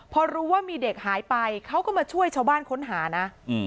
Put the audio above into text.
พอรู้ว่ามีเด็กหายไปเขาก็มาช่วยชาวบ้านค้นหานะ